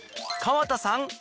川田さん